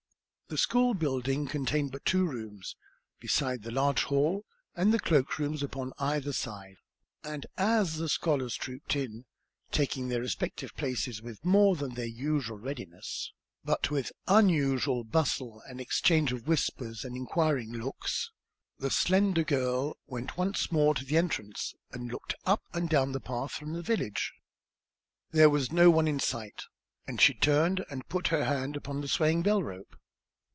The school building contained but two rooms, beside the large hall, and the cloak rooms upon either side; and as the scholars trooped in, taking their respective places with more than their usual readiness, but with unusual bustle and exchange of whispers and inquiring looks, the slender girl went once more to the entrance and looked up and down the path from the village. There was no one in sight, and she turned and put her hand upon the swaying bell rope.